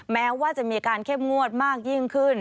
แม้ว่าจะมีการเข้มงวดมากยิ่งขึ้น